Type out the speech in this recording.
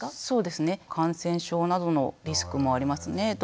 そうですね感染症などのリスクもありますね。